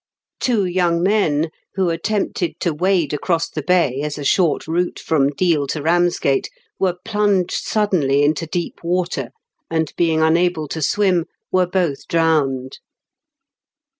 Two young men, who attempted to wade across the bay, as a short route from Deal to Eamsgate, were plunged suddenly into deep water, and, being unable • to swim, were both drowned.